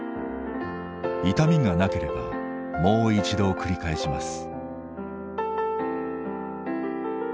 痛みがなければもう一度繰り返します。